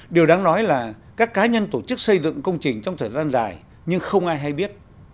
điều đáng nói là các cá nhân tổ chức xây dựng công trình trong thời gian dài nhưng không ai hay biết